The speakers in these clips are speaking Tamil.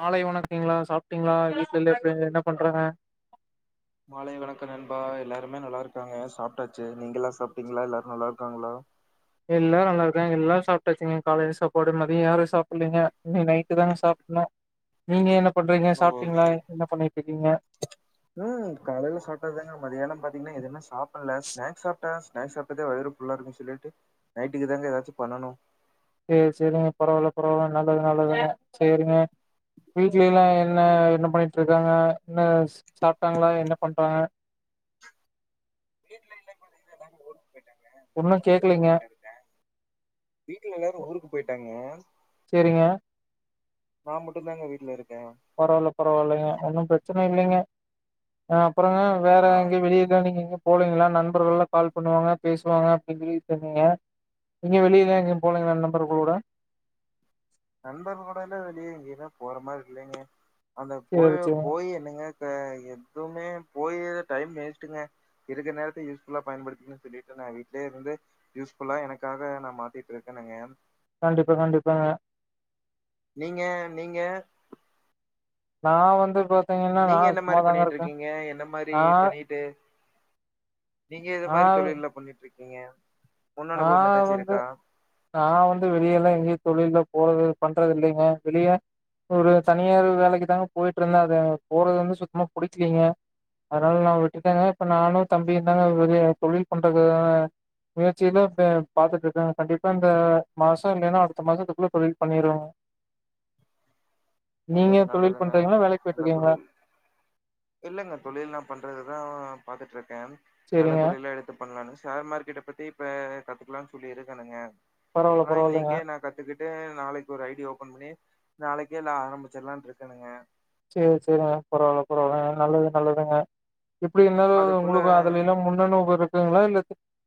மாலை வணக்கங்கலா சாப்ட்டீங்ளா வீட்ல இப்ப என்ன பண்றாங்க மாலை வணக்கம் நண்பா எல்லாருமே நல்லா இருக்காங்க சாப்ட்டாச்சி நீங்க எல்லா சாப்ட்டீங்களா எல்லாரு நல்லா இருக்காங்ளா எல்லாரு நல்லா இருக்காக எல்லாரு சாப்டாச்சிங்க காலைல சாப்பாடு மதியு யாரு சாப்பிலிங்க இனி நைட்டு தா சாப்னு நீங்க என்ன பண்றீங்க ஓ சாப்ட்டீங்ளா என்ன பண்ணிட் இருக்கீங்க ம் காலைல சாப்ட்டதுதாங்க மதியனோ பாத்தீங்கன்னா எதுமே சாப்பில்ல ஸ்னாக்ஸ் சாப்ட்ட ஸ்னாக்ஸ் சாப்டதே வயிறு ஃபுல்லா இருக்குனு சொல்லிட்டு நைட்டுக்கு தாங்க எதாச்சு பண்ணனு சேர் சேரிங்க பரவால பரவால நல்லது நல்லதுங்க சேரிங்க வீட்லில்லா என்ன என்ன பண்ணிட்டு இருக்காங்க என்ன சாப்ட்டாங்ளா என்ன பண்றாங்க வீட்ல இல்லேங்க [unintelligible] ஒன்னு கேக்லிங்க வீட்ல எல்லாரு ஊருக்கு போயிட்டாங்க சேரிங்க நா மட்டுந்தாங்க வீட்ல இருக்கே பரவால்ல பரவால்லிங்க ஒன்னு பிரச்சனை இல்லிங்க ஆ அப்றோங்க வேற ஆ எங்கயு வெளிய எங்க நீங்க எங்க போவுலிங்களா நண்பர்கள் எல்லா கால் பண்ணுவாங்க பேசுவாங்க அப்டி இப்டினு சொல்லி சொன்னீங்க எங்யு வெளிலில எங்யு போலீங்ளா நண்பர்கள் கூட நண்பர்கள் கூடல்லா வெளியே எங்கயுமே போற மாரி இல்லிங்க அங்க சேரி போய சேரிங்க போய் என்னங்க இப்ப எதுவுமே போயே டைம் வேஸ்ட்டுங்க இருக்க நேரத்த யூஸ்ஃபுல்லா பயன்படுத்தன்னு சொல்லிட்டு நா வீட்லே இருந்து யூஸ்ஃபுல்லா எனக்காக நா மாத்திட்டு இருக்கேன்னுங்க கண்டிப்பா கண்டிப்பாங்க நீங்க நீங்க நா வந்து பாத்தீங்கன்னா நா நீங்க என்ன மாரி சும்மாதாங்க பண்ணிட்டு இருக்கே இருக்கீங்க என்ன மாரி நா பண்ணிட்டு நீங்க எத நா மாரி தொழில்லா பண்ணிட் இருக்கீங்க முன் நா அனுபவம் ஏதாச்சும் வந்து இருக்கா நா வந்து வெளியல்லா எங்கேயு தொழில்லா போறது பண்றது இல்லிங்க வெளிய ஒரு தனியார் வேலைக்கு தாங்க போயிட்டு இருந்த அது போறது வந்து சுத்தமா புடிக்கலிங்க அதனால நா விட்டுட்டேங்க இப்ப நானு தம்பியு தாங்க வெளிய தொழில் பண்றதுகாக சிலோபே பாத்துட்டு இருக்கங்க கண்டிப்பா இந்த மாசோ இல்லைன்னா அடுத்த மாசத்துக்குள்ள தொழில் பண்ணிருவோங்க நீங்க நல்லது தொழில் நல்லதுங்க பண்றீங்களா வேலைக்கு போயிட்டு நல்ல இருக்கீங்களா தொழில் இல்லைங்க தொழில் நா பண்றதுதா பாத்துட்டு இருக்கே நல்ல சேரிங்க தொழிலா எடுத் பண்ணலானு ஷேர் மார்கெட்ட பத்தி இப்ப கத்துக்கலானு சொல்லி இருக்கனுங்க பரவால்ல ஆனா பரவால்ல இன்னைக்கே நா கத் த்துக்கிட்டு நாளைக்கு ஒரு ஐடி ஓபன் பண்ணி நாளைக்கே நா ஆரம்பிச்சிற்லான்னு இருக்கனுங்க சேர் சேரிங்க பரவால்ல பரவால்ல நல்லது நல்லதுங்க எப்டி இன்னல் அதுக்குள்ள உங்களுக்கு அதுலில்லா முன்னனுபவோ இருக்குங்ளா இல்ல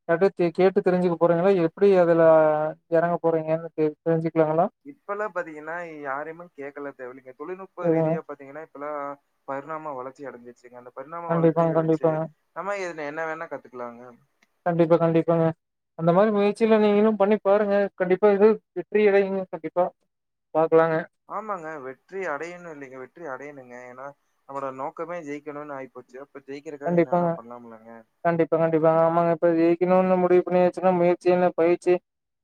யார்ட்ட கேட்டு தெரிஞ்சுக்க போறீங்ளா எப்டி அதுல எறங்க போறீங்கன்னு தெரிஞ்சுக்குலாங்ளா இப்பெல்லா பாத்தீங்கன்னா யாரயுமே கேக்கலா தேவ இல்லிங்க தொழில்நுட்ப சேரிங்க ரீதியா பாத்தீங்கன்னா இப்பனா பரிணாம வளர்ச்சி அடைஞ்சிருச்சுங்க அந்த பரிணாம கண்டிப்பாங்க வளர்ச்சிய வச்சு கண்டிப்பாங்க நம்மா இதுல என்ன வேணா கத்துக்குலாங்க கண்டிப்பா கண்டிப்பாங்க அந்த மாரி முயற்சில்லா நீங்களு பண்ணி பாருங்க கண்டிப்பா இது வெற்றி அடையனு கண்டிப்பா பாக்கலாங்க ஆமாங்க வெற்றி அடையணு இல்லிங்க வெற்றி அடையணுங்க ஏனா நம்மலோட நோக்கமே ஜெயிக்கணுனு ஆயிப்போச்சு அப்போ ஜெயிக்றதுக்காக என்ன கண்டிப்பாங்க வேணா பண்ணலாம்ல்லங்க கண்டிப்பா கண்டிப்பா ஆமாங்க இப்ப ஜெயிக்கணுனு முடிவு பண்ணியாச்சுன்னா முயற்சி என்ன பயிற்சி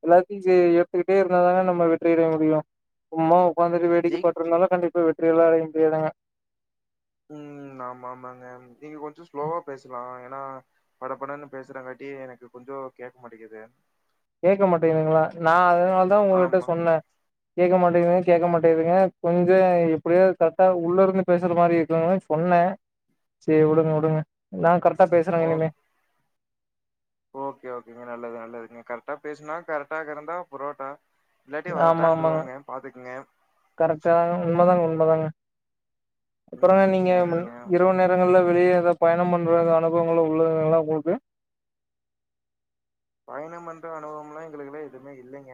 எல்லாத்தையு ஏத்துக்கிட்டே இருந்தாதாங்க நம்ம வெற்றி அடைய முடியு சும்மா உக்காந்துட்டு வேடிக்க ஜெய் பாத்துட்டு இருந்தாலா கண்டிப்பா வெற்றியெல்லா அடைய முடியாதுாங்க ம் ஆமா ஆமாங்க நீங்க கொஞ்சோ ஸ்லோவா பேசலா ஏனா பட படன்னு பேசுறங்காட்டி எனக்கு கொஞ்சோ கேக்க மாட்டேங்கிது கேட்க மாட்டேங்குதுங்களா நா அதனால தா உங்ககிட்ட ஆமா சொன்னே கேக்க மாட்டேதுங்க கேட்க மாட்டேதுங்க கொஞ்சு எப்படியோ கரெக்டா உள்ள இருந்து பேசுற மாரி இருக்கதுநால சொன்னே சேரி உடுங்க உடுங்க நா கரெக்டா பேசுறே இனிமே ஓக்கே ஓக்கேங்க நல்லது நல்லதுங்க கரெக்டா பேசுனா கரெக்டாக இருந்தா புரோட்டா இல்லாட்டியு ஆமா ஆமாங்க வரட்டான்னுருவாங்க பாத்துக்கங்க கரெக்டா உண்மைதாங்க உண்மைதாங்க அப்புற ம் நீங்க சரிங்க இரவு நேர நேரங்கள்ள வெளியே ஏதோ பயணம் பண்ற அனுபவங்கள் உள்ளதுங்களா உங்களுக்கு பயணம் பண்ற அனுபவம் எல்லா எங்களுக்குலா எதுமே இல்லங்க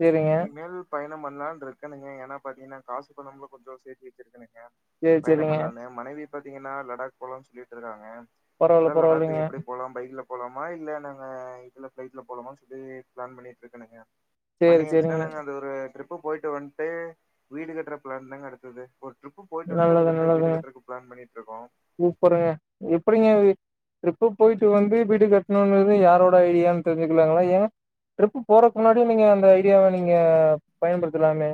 சேரிங்க இனி மேல் பயணம் பண்ணலாம்னு இருக்கனுங்க ஏன்னா பாத்தீங்கன்னா காசு பணம்ல கொஞ்சு சேத்தி வச்சிருக்கனுங்க சேரி பயணம் சேரிங்க பண்லான்னு மனைவி பாத்தீங்கன்னா லடாக் போலானு சொல்லிட்டு இருக்காங்க பரவால்ல அதா லடாக் பரவால்லைங்க எப்டி போலா பைக்ல போலாமா இல்ல நாங்க இதுல ஃப்ளைட்ல போலமானு சொல்லி பிளான் பண்ணிட்டு இருக்கனுங்க சேரி பண்ணியாச்சுன்னா சேரிங்க நாங்க அது ஒரு ட்ரிப்பு போயிட்டு வண்டு வீடு கட்டுற பிளான் தாங்க அடுத்தது ட்ரிப்பு போயிட்டு வண்டு நல்லது அதுக்கடுத்த வீடு நல்லதுங்க கட்டுறதுக்கு பிளான் பண்ணிட்டுருக்கோ சூப்பருங்க எப்டிங்க ட்ரிப்பு போயிட்டு வந்து வீடு கட்டணும்ன்றது யாரோட ஐடியான்னு தெரிஞ்சிகலாங்களா ஏ ட்ரிப்பு போறதுக்கு முன்னாடியே நீங்க அந்த ஐடியாவ நீங்க பயன்படுத்தலாமே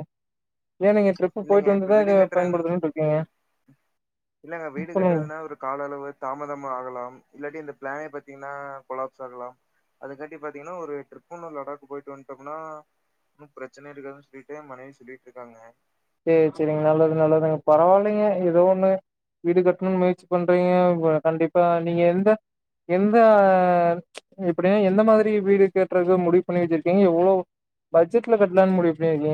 ஏ நீங்க ட்ரிப்பு இல்லைங்க போயிட்டு வந்து இப்ப தா வீடு இத கட்டுறன் பயன்படுத்தணும் ம் இல்லங்க வீடு சொல்லுங்க கட்டுறதுனா ஒரு கால அளவு தாமதம் ஆகலாம் இல்லாட்டி இந்த பிளானே பாத்தீங்கன்னா கொலாப்ஸ் ஆகலாம் அதுக்காட்டி பாத்தீங்கன்னா ஒரு ட்ரிப் ஒன்னு லடாக் போயிட்டு வந்துட்டோம்னா ஒன்னு பிரச்சன இருக்காதுன்னு சொல்லுட்டு மனைவி சொல்லிட்டு இருக்காங்க சேரி சேரிங்க நல்லது நல்லதுங்க பரவால்லங்க ஏதோ ஒண்ணு வீடு கட்டணும்னு முயற்சி பண்றீங்க கண்டிப்பா நீங்க எந்த எந்த இப்டியே எந்த மாதிரி வீடு கட்டுறது முடிவு பண்ணி வச்சிருக்கீங்க எவ்ளோ பட்ஜெட்ல கட்டலான்னு முடிவு பண்ணிருக்கிங்க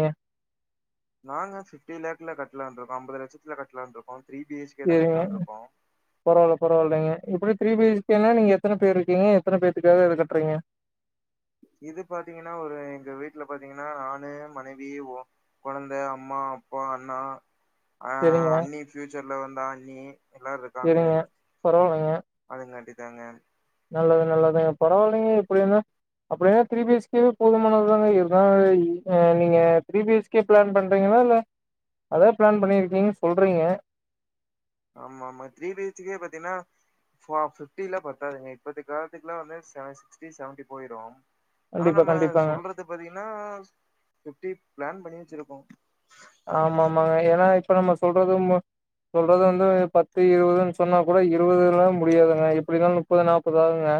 நாங்க பிப்டி லேக்ல கட்லாம்னு இருக்கோ அம்பது லட்சத்து கட்லாம்னு இருக்கோ த்ரி பி ஹச் சேரிங்க பரவால பரவால்லங்க எப்டி த்ரீஹச்கனா நீங்க எத்தன பேர் இருக்கீங்க எத்தன பேத்துக்காக இது கட்டுறீங்க இது பாத்தீங்கன்னா ஒரு எங்க வீட்ல பாத்தீங்கன்னா நானு மனைவி ஓ கொழந்த அம்மா அப்பா அண்ணா அ சேரிங்க அண்ணி ஃபியூச்சர்ல வந்தா அண்ணி எல்லாரு இருக்காங்க சேரிங்க பரவால்லைங்க அதுங்காட்டி தாங்க நல்லது நல்லதுங்க பரவால்லங்க எப்டி இருந்த அப்டியனா த்ரீ பி எச் கேயே போதுமானது தாங்க இருந்தாலு இங்க நீங்க three B H K plan பண்றீங்களா இல்ல அதா பிளான் பண்ணியிருக்கீங்கன்னு சொல்றீங்க ஆம்மாமா த்ரி பி எச் கே பத்தீனா ஃபிப்டில பத்தாதுங்க இப்பத்த காலத்துக்கெலா வந்து சிக்ஸ்டி செவன்டி போயிரு ஆனா கண்டிப்பா நம்ம கண்டிப்பாங்க சொல்றது பாத்தீங்கன்னா பிப்டி பிளான் பண்ணி வச்சுருக்கோ ஆமா ஆமாங்க ஏன்னா இப்ப நம்ம சொல்றது உண்ம சொல்றது வந்து பத்து இருபதுன்னு சொன்னா கூட இருபதுலா முடியாதுங்க எப்டிருந்தாலு முப்பது நாப்பது ஆகுங்க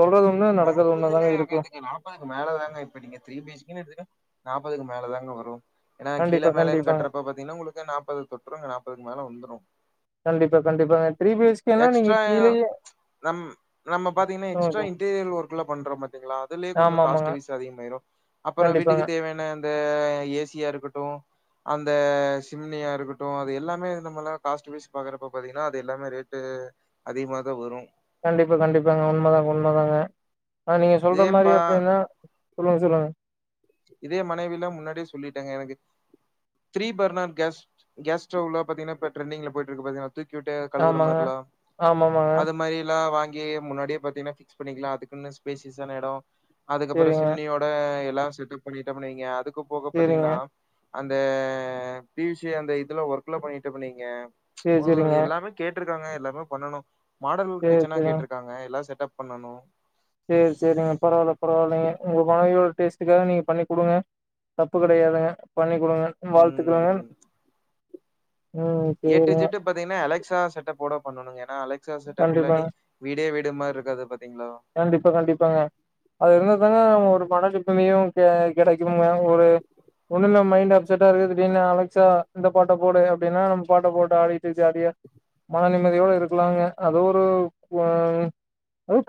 சொல்றது ஒண்ணு நடக்கறது ஒண்ணாதாங்க இருக்கு முப்பதுக்கு மேலதாங்க இப்ப நீங்க த்ரீ பி எச் கேனு எடுத்துகிட்டா நாப்பதுக்கு மேலேதாங்க வரு ஏன்னா கீழ கண்டிப்பா மேலேன்னு கண்டிப்பாங்க கட்டுறப்ப பாத்தீங்கன்னா உங்களுக்கு நாப்பது தொட்ருங்க நாப்பதுக்கு மேல வந்துரு கண்டிப்பா கண்டிப்பாங்க த்ரீ பி எச் கேல்லா நீங்க எக்ஸ்ட்ரா கீழயே நம் நம்ம பாத்தீங்கன்னா எக்ஸ்ட்ரா இன்டீரியல் ஒர்க்ல பண்றோம் பாத்தீங்களா அதுலே கொஞ்ச ஆமா காஸ்ட் ஆமாங்க வைய்ஸ் அதிகமாயிரு அப்பற கண்டிப்பாங்க வீட்டுக்கு தேவையான இந்த ஏசியா இருக்கட்டு அந்த சிம்னியா இருக்கட்டு அது எல்லாமே நம்மலா காஸ்ட் வய்ஸ் பாக்கறப்ப பாத்தீங்கன்னா அது எல்லாமே ரேட் டு அதிகமாதா வரு கண்டிப்பா கண்டிப்பாங்க உண்மதாங்க உண்மதாங்க ஆ நீங்க சொல்ற மாரி இதேப்பா எப்டின்னா சொல்லுங்க சொல்லுங்க இதே மனைவில்லா முன்னாடியே சொல்லிட்டேங்க எனக்கு த்ரீ பர்னர் கேஸ் கேஸ் ஸ்டவ்ல பாத்தீங்கன்னா இப்ப ட்ரெண்டிங்ல போயிட் இருக்கு பாத்தீன்னா தூக்கிவுட்டு கழுவுற ஆமாங்க மார்லா ஆமா ஆமாங்க அது மாரில்லா வாங் ஏ ஐ முன்னாடியே பாத்தீங்ன்னா பிக்ஸ் பண்ணிக்லா அதுக்குன்னு ஸ்பேஸீஸ் ஆன எடொ அதுக்கப்பற சரிங்க சிம்னியோ ப எல்லா செட்டப் பண்ணிட்டம்னு வைய்ங்க அதுக்கு போக சேரிங்க பாத்தீங்ன்னா அந்த பிசி அந்த இதுல ஒர்க்லா பண்ணீட்டம் வைங்க சேரி சேரிங்க எல்லாமே கேட்டிருக்காங்க எல்லாமே பண்ணனு மாடல் சேரி கிச்சனா சேரிங்க கேட்டிருக்காங்க எல்லா செட்டப் பண்ணனு செரி செரிங்க பரவாயில்ல பரவாயில்லைங்க உங்க மனைவியோட டேஸ்ட்டுக்காக நீங்க பண்ணி குடுங்க தப்பு கெடையாதுங்க பண்ணி குடுங்க வாழ்த்துக்கள்ங்க ம் ம் ஏ டூ சேரிங்க இஜட்டு பாத்தீங்ன்னா அலெக்ஸா செட்டப் ஓட பண்ணனுங்க ஏனா அலெக்ஸா செட்டப் இல்லாட்டி கண்டிப்பாங்க வீடே வீடு மாரி இருக்காது பாத்தீங்ளா கண்டிப்பா கண்டிப்பாங்க அது இருந்தா தாங்க ஒரு மண [unintelligible] க கெடைக்கும்ங்க ஒரு ஒன்னுன்னா மைண்ட் அப்செட்டா இருக்குது திடினு அலெக்சா இந்த பாட்ட போடு அப்டின்னா நம்ம பாட்ட போட்டு ஆடிட்டு ஜாலியா மன நிம்மதியாவு இருக்கலாங்க அது ஒரு ஒ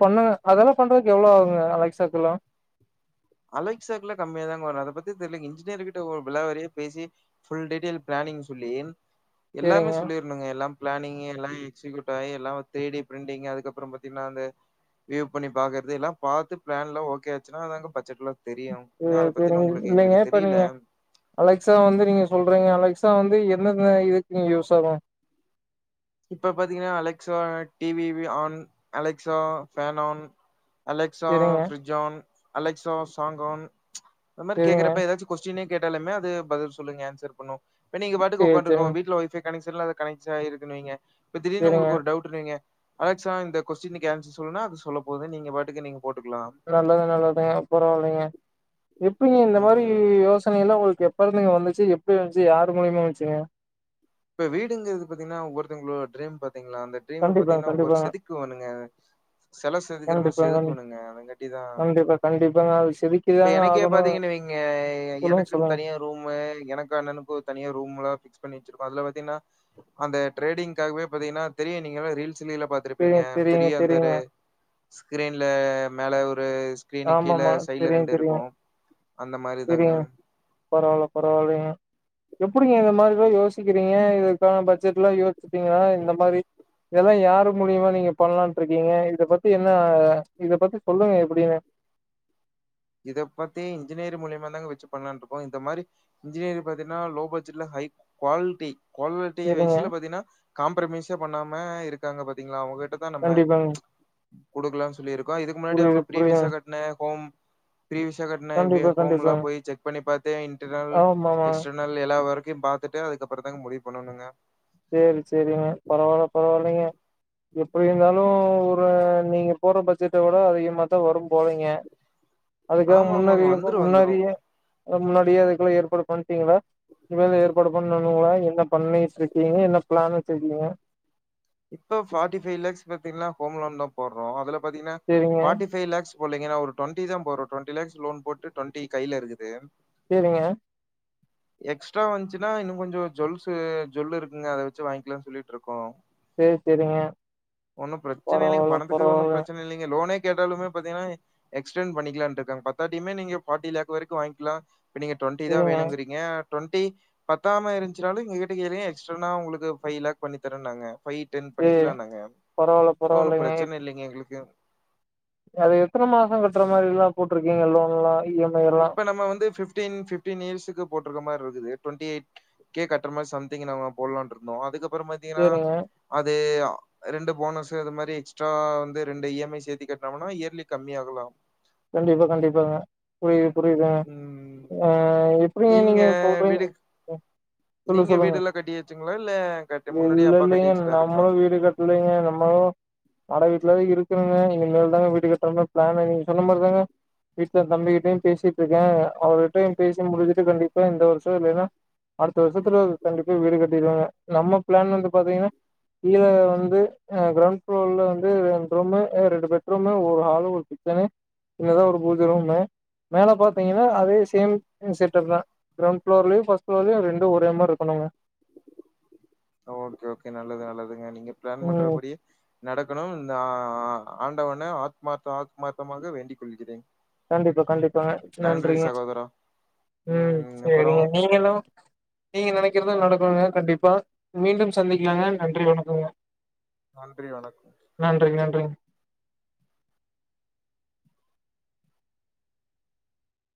பண்ணுங்க அதெல்லா பண்றதுக்கு எவ்ளோ ஆகுங்க அலெக்ஸாக்கெல்லா அலெக்சாக்குல்லா கம்மியா தாங்க வரு அத பத்தி தெரிலைங்க இன்ஜினியர்கிட்ட ஒரு விலாவாறியா பேசி ஃபுல் டிடெல் பிளானிங் சொல்லி எல்லாமே சேரிங்க சொல்லி ங்க எல்லா பிளானிங் எல்லா எக்ஸ்சிகூட் ஆயி எல்லா தேடி பிரிண்டிங் அதுக்கப்பற பாத்தீங்ன்னா அந்த வியூவ் பண்ணி பாக்றதுதா பாத்து பிளான்ல ஓகே ஆச்சுனா அது வந்து பட்ஜெட்ல தெரியு இன்னு சேரி அத பத்திலா சேரிங்க உங்ளுக்கு இல்லைங்க எங்ளுக்கு இப்ப தெரியல நீங்க அலெக்ஸா வந்து நீங்க சொல்றீங்க அலெக்ஸா வந்து எந்தெந்த இதுக்குங்க யூஸ் ஆகு இப்ப பாத்தீங்ன்னா அலெக்ஸா டிவி வி on Alexa fan on Alexa செரிங்க பிஃரிஜ் ஆன் அலெக்ஸா சாங்கான் இந்த மாரி செரிங்க கேக்றப்ப ஏதாச்சு கொஸ்டினே கேட்டாலுமே அது பதில் சொல்லுங்க ஆன்சர் பண்ணு இப்ப நீங்க பாட்டுகு சேரி உக்காண்டுகோ செரிங்க வீட்ல ஒய்ஃபய் கனெக்சன்ல அது கனெக்ட்ஸ் ஆயிருக்குனு வைங்க இப்ப தீடீருனு செரிங்க உங்ளுக்கு ஒரு டவுட் சொல்ரிங்க அலெக்ஸா இந்த கொஸ்டின்க்கு அன்சர் சொல்னா அது சொல்ல போது நீங்க பாட்டுக்கு நீங்க போட்டுக்லா நல்லது நல்லதுங்க பரவாயில்லைங்க எப்டிங்க இந்த மாரி ம் யோசனைல்லா உங்ளுக்கு எப் எப்பருந்துங்க வந்துச்சு எப்டி வந்துச்சு யார் மூலிமா வஞ்சுங்க இப்ப வீடுங்குறது பாத்தீங்ன்னா ஒவ்ஒருத்தவங்களோட டிரீம் பாத்தீங்களா அந்த டீரிம் கண்டிப்பாங்க பாத்தீங்கன்னா ஒரு கண்டிப்பாங்க செதுக்கு வாணுங்க செல செதுக்கிற மாரி கண்டிப்பாங்க கண்டி- செதுக்குவாணுங்க அதங்கட்டிதா கண்டிப்பா கண்டிப்பாங்க அது இப்ப செதுக்கிதாங்க எனக்கே ஆகணு பாத்தீங்கன் வை ஆ சொல்லுங்க எனக்குனு சொல்லுங்க தனியா ரூமு எனக்கு அண்ணனுக்கு தனியா ரூம்லா பிக்ஸ் பண்ணி அதுல பாத்தீங்னா அந்த டிரெடிங்காகவே பாத்தீங்னா தெரியு நீங்களு ரீல்ஸ்லில்லா பாத் தெரியு திருப்பீங்க தெரியுங்க பெரிய அந்த தெரியுங்க ரெ ஸ்கிரீன்ல மெல ஒரு ஸ்கிரீன்க் கீழ ஆமாமா சைட்ல தெரியு ரெண்டு தெரியு இருக்கு அந்த மாரி தாங்க தெரியுங்க பரவால்ல பரவாலைங்க எப்டிங்க இந்த மாரில்லா யோசிக்கிறீங்க இதுக்கான பட்ஜெட்ல்லா யோசிச்ட்டீங்க இந்த மாரி இதெல்லா யாரு மூலியமா நீங்க பண்ணலான்ட்டு இருக்கீங்க இத பத்தி என்ன இத பத்தி சொல்லுங்க எப்டின்னு இத பத்தி இன்ஜினியர் மூலியமா தாங்க வச்சு பண்லாண்டு இருக்கோ இந்த மாரி இன்ஜினியர் பாத்தீங்ன்னா லோ பட்ஜெட்ல ஹை குவாலிட்டி குவால்லிட்டி செரிங்க வய்ஸ்ல பாத்தீங்ன்னா காம்ப்ர்மைஸே பண்ணாம இருக்காங்க பாத்தீங்ளா அவங்கிட்ட நம்ம கண்டிப்பாங்க குடுக்கலான் சொல்லிருக்கோ இதுக்கு முன்னாடி புரியுது அவுங்க புரியுதுங்க பீரிவியஸா கட்ன ஹோம் ப்ரீவிசா கட்ன வே கண்டிப்பா ஹோம்லா கண்டிப்பாங்க போய் செக் பண்ணி பாத்தே இன்டனல் ஆமாமா எக்ஸ்டன் நல்ல நாள்ல எல்லா வொர்கையு பாத்துட்டு அதுக்கப்றோ தாங்க முடிவு பண்ணனுங்க சேரி சேரிங்க பரவால்ல பரவால்லைங்க எப்டிருந்தாலு ஒரு நீங்க போற பட்ஜெட்ட கூட அதிகமா தா வரு போலைங்க அதுக்காக ஆமா ஆமாங்க முன்னறிப்ப வந்துரு வந்துரு முன்னறிய அதா முன்னாடியே அதுக்குள்ள ஏற்பாடு பண்டீங்ளா இதுமேல ஏற்பாடு பண்ணணுங்ளா என்ன பண்ணிட்டுருக் கீங்க என்ன பிளான் வச்சிருகீங்க இப்போ ஃபாடி ஃபைவ்லக்ஸ் பாத்தீங்ன்னா போம்லந்தா போட்றோ அதுல பாத்தீங்ன்னா சேரிங்க ஃபாட்டி ஃபைவ்லாக்ஸ் பொட்லைங்க நா ஒரு டுவெண்டி தா போடுற டுவெண்டி லக்ஸ் லோன் போட்டு டுவெண்டி கைல இருக்குது கேளுங்க எக்ஸ்ட்ரா வந்சுன்னா இன்னு கொஞ்சோ ஜுவல்ஸ்சு ஜுவல்லு இருக்குங்க அத வச்சு வாங்கிலான்னு சொல்லிட்டுருக்கோ சேரி சேரிங்க ஒன்னு பிரச்சன இல்லீங்க பரவால்ல பணத்துக்கு ஒன்னு பரவால்ல பிரச்சன இல்லீங்க லோனே கேட்டாலுமே பாத்தீங்கன்னா எக்ஸ்டென் பண்ணிக்குலான்ருக்கங்க பத்தாட்டியுமே நீங்க ஃபார்டி லாக் வரைக்கு வாங்கிலா இப்ப நீங்க டுவென்டிதா சேரிங்க வேணுங்குறீங்க டுவென்ட்டி பத்தாம இருஞ்சுனாலு எங்க கிட்ட கேளுங்க எஸ்ட்ரானா உங்களுக்கு ஃபைவ் லேக் பண்ணி தரேன்னாங்க ஃபை டென் சேரி பண்ணிக்கலானாங்க பரவால்ல ஒன்னு பரவால்லைங்க பிரச்சன இல்லிங்க எங்களுக்கு அது எத்தன மாசோ கட்ற மாரில்லா போட்டிருக்கீங்க லோன்லா இ எம் ஐ எல்லா இப்ப நம்ம வந்து ஃபிப்டின் ஃபி டீன் இயர்ஸ்கு போட்ருக்க மார்ருக்குது டுவெண்டி எயிட் கே கட்ற மாரி சம்திங் நாம போல்லானு இருந்தோ அதுகப்புறமாத் தீங்கன்னா சேரிங்க அது அ ரெண்டு போனஸ் அது மாரி எக்ஸ்ட்ரா வந்து ரெண்டு இ எம் ஐ சேத்தி கட்னோம்னா இயர்லி கம்மியாகலாம் கண்டிப்பா கண்டிப்பாங்க புரியுது புரியுதுங்க ம் ஆ எப்டிங்க நீங்க சொல்றீங் ம் சொல்லு நீங்க சொல்லுங்க வீடெல்லா கட்டியாச்சுங்களா இல்ல கட்ட முன்னாடியே அப்பா கட்டி இல்லேல்லிங்க வச்சுட்டாருங்களா நம்மளு வீடு கட் இல்லங்க நம்மளு வாடக வீட்லதா இருக்குறோங்க இனிமேல் தாங்க வீட்டு கட்ற மாரி பிளானு சொன்ன மாரி தாங்க வீட்ல தம்பிக்கிட்டையு பேசிட்டு இருக்கே அவர்கிட்டையு பேசி முடிஞ்சுட்டு கண்டிப்பா இந்த வருஷோ இல்லைன்னா அடுத்த வருஷத்துல கண்டிப்பா வீடு கட்டிடுவேங்க நம்ம பிளான் வந்து பாத்தீங்கன்னா கீழ வந்து கிரௌண் ப்ளோர்ல வந்து ரெண்டு ரூமு அ ரெண்டு பெட் ரூம் ஒரு ஹாலு ஒரு கிச்சனு சின்னதா ஒரு பூஜ ரூமு மேல பாத்தீங்கன்னா அதே சேம் செட்டப் தா கிரௌண் ப்ளோர்லயு பஸ் ப்ளோர்லயு ரெண்டு ஒரே மார் இருக்கனுங்க ஓகே ஓகே நல்லது நல்லதுங்க நீங்க பிளான் ம் பண்றபடி நடக்கணு இந்த ஆ ஆண்டவன ஆத்மார்த்த ஆத்மார்த்தமாக வேண்டி கொள்கிறேன் கண்டிப்பா கண்டிப்பாங்க நன்றி நன்றிங்க சகோதரா ம் சேரிங்க நீங்களு நீங்க நெனைக்கிறது நடக்குங்க கண்டிப்பா மீண்டும் சந்திக்கலாங்க நன்றி வணக்கங்க நன்றி வணக்கம் நன்றி நன்றிங்க